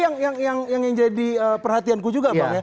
tapi yang jadi perhatianku juga pak